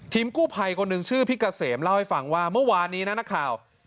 กู้ภัยคนหนึ่งชื่อพี่เกษมเล่าให้ฟังว่าเมื่อวานนี้นะนักข่าว